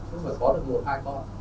nhưng mà có được một hai con